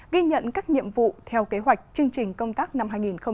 ghi nhận các nhiệm vụ theo kế hoạch chương trình công tác năm hai nghìn hai mươi